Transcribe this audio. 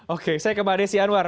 oke saya ke mbak desi anwar